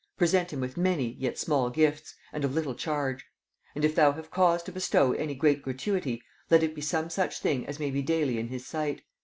Present him with many yet small gifts, and of little charge. And if thou have cause to bestow any great gratuity, let it be some such thing as may be daily in his sight.